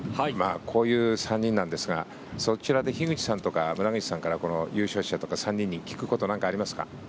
こういう３人なんですがそちらで樋口さんとか村口さんからこの優勝者とか３人に聞くことなんかありますか？